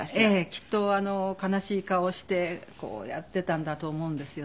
きっと悲しい顔をしてこうやっていたんだと思うんですよね。